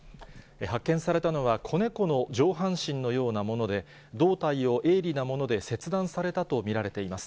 発見されたのは、子猫の上半身のようなもので、胴体を鋭利なもので切断されたと見られています。